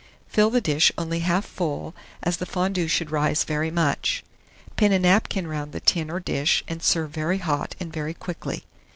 Fill the dish only half full, as the fondue should rise very much. Pin a napkin round the tin or dish, and serve very hot and very quickly.